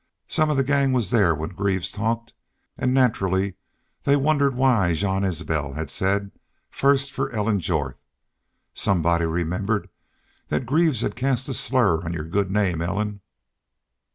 Some of the gang was thar when Greaves talked, an' naturally they wondered why Jean Isbel had said 'first for Ellen Jorth.' ... Somebody remembered thet Greaves had cast a slur on your good name, Ellen.